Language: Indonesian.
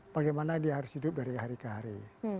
bagaimana dia harus hidup dari hari ke hari